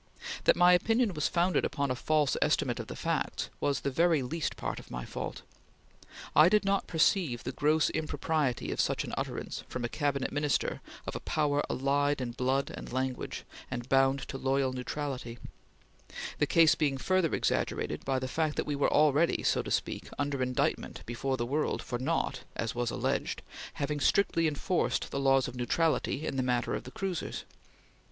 ... That my opinion was founded upon a false estimate of the facts was the very least part of my fault. I did not perceive the gross impropriety of such an utterance from a Cabinet Minister of a power allied in blood and language, and bound to loyal neutrality; the case being further exaggerated by the fact that we were already, so to speak, under indictment before the world for not (as was alleged) having strictly enforced the laws of neutrality in the matter of the cruisers.